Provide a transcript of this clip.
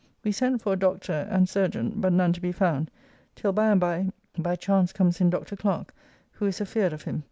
We sent for a doctor and chyrurgeon, but none to be found, till by and by by chance comes in Dr. Clerke, who is afeard of him.